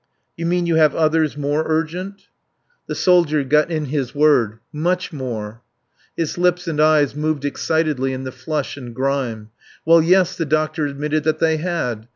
"You mean you have others more urgent?" The soldier got in his word. "Much more." His lips and eyes moved excitedly in the flush and grime. "Well yes," the doctor admitted that they had.